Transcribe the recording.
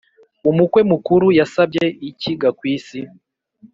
Umukwe mukuru yasabye iki gwakwisi?